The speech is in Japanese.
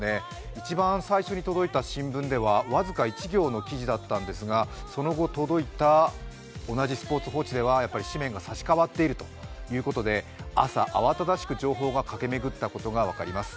一番最初に届いた新聞では僅か１行の記事だったんですが、その後届いた同じ「スポーツ報知」では紙面が差しかわっているということで朝、慌ただしく情報が駆け巡ったことが分かります。